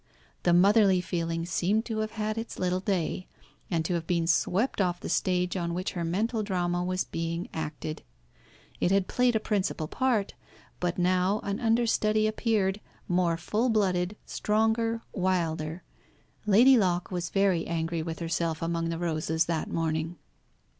the motherly feeling seemed to have had its little day, and to have been swept off the stage on which her mental drama was being acted. It had played a principal part, but now an understudy appeared, more full blooded, stronger, wilder. Lady Locke was very angry with herself among the roses that morning.